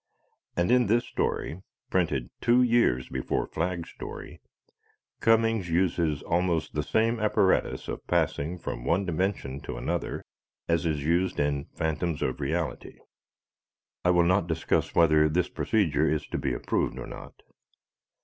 And in this story printed two years before Flagg's story Cummings uses almost the same apparatus of passing from one dimension to another as is used in "Phantoms of Reality." I will not discuss whether this procedure is to be approved or not.